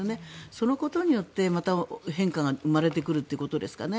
そのことによってまた変化が生まれてくるということですかね。